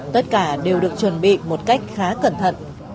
tất cả đều được chuẩn bị một cách khá cẩn thận